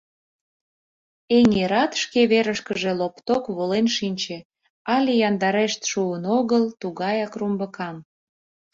Эҥерат шке верышкыже лопток волен шинче, але яндарешт шуын огыл, тугаяк румбыкан.